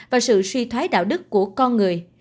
và sự suy thoái đạo đức của con người